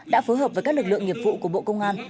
đã phối hợp với các lực lượng nghiệp vụ của bộ công an